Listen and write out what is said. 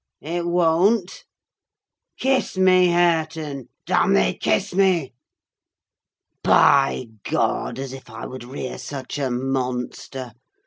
it won't? Kiss me, Hareton! Damn thee, kiss me! By God, as if I would rear such a monster!